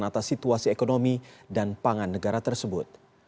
atas situasi ekonomi dan pangan negara tersebut